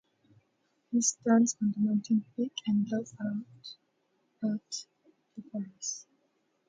He stands on the mountain-peak and looks out at the forest.